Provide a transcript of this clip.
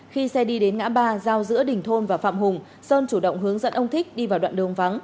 khi xe đi đến ngã ba giao giữa đình thôn và phạm hùng sơn chủ động hướng dẫn ông thích đi vào đoạn đường vắng